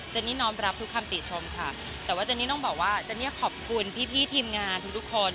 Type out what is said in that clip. นี่น้อมรับทุกคำติชมค่ะแต่ว่าเจนนี่ต้องบอกว่าเจนี่ขอบคุณพี่ทีมงานทุกคน